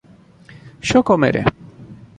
yo comeré